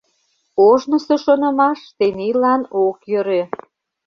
Ожнысо шонымаш тенийлан ок йӧрӧ.